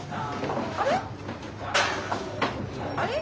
あれ？